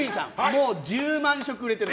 もう１０万食売れてる。